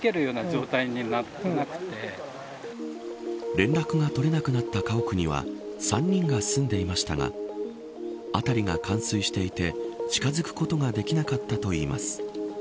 連絡が取れなくなった家屋には３人が住んでいましたが辺りが冠水していて近づくことができなかったといいます。